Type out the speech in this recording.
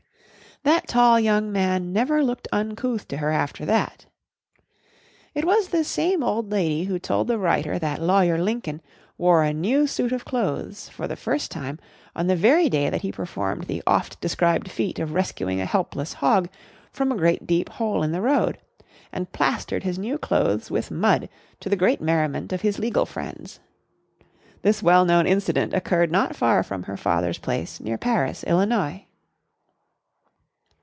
That tall young man never looked uncouth to her after that. It was this same old lady who told the writer that Lawyer Lincoln wore a new suit of clothes for the first time on the very day that he performed the oft described feat of rescuing a helpless hog from a great deep hole in the road, and plastered his new clothes with mud to the great merriment of his legal friends. This well known incident occurred not far from her father's place near Paris, Illinois.